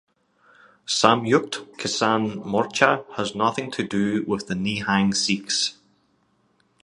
Samyukt Kisan Morcha has nothing to do with the Nihang Sikhs.